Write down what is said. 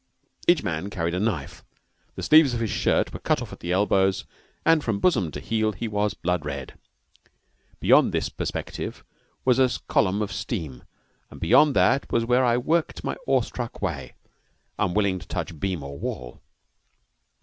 Each man carried a knife, the sleeves of his shirt were cut off at the elbows, and from bosom to heel he was blood red. Beyond this perspective was a column of steam, and beyond that was where I worked my awe struck way, unwilling to touch beam or wall.